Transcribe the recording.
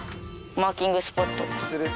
マーキングスポット。